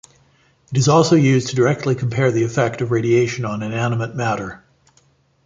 It is also used to directly compare the effect of radiation on inanimate matter.